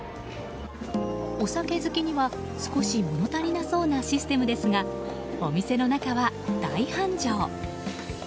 お酒好きには少し物足りなそうなシステムですがお店の中は大繁盛。